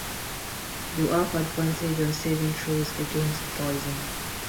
You have advantage on saving throws against poison